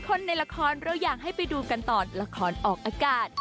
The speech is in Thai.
คนในละครเราอยากให้ไปดูกันตอนละครออกอากาศ